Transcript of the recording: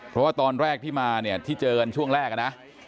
เพราะว่าตอนแรกที่มาเนี่ยที่เจอกันช่วงแรกนะ